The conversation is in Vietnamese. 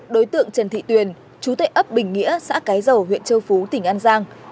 đối tượng trần thị tuyền chú tệ ấp bình nghĩa xã cái dầu huyện châu phú tỉnh an giang